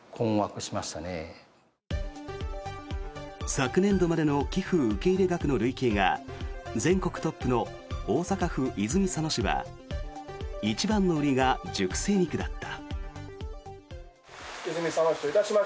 昨年度までの寄付受け入れ額の累計が全国トップの大阪府泉佐野市は一番の売りが熟成肉だった。